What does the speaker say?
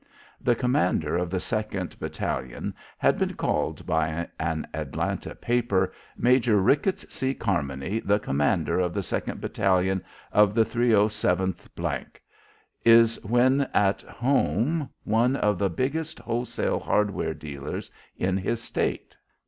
The commander of the second battalion had been called by an Atlanta paper, "Major Rickets C. Carmony, the commander of the second battalion of the 307th , is when at home one of the biggest wholesale hardware dealers in his State.